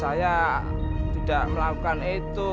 tidak tidak melakukan itu